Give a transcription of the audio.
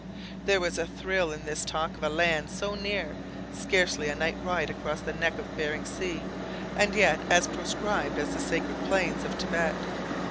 There was a thrill in this talk of a land so near, scarcely a night ride across the neck of Bering Sea, and yet as proscribed as the sacred plains of Tibet.